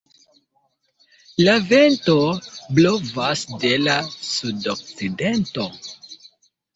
La vento blovas de la sudokcidento.